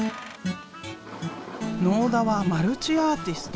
納田はマルチアーティスト。